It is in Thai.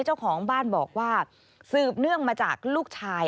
เจ้าของบ้านบอกว่าสืบเนื่องมาจากลูกชาย